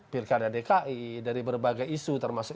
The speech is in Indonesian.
pki dari berbagai isu termasuk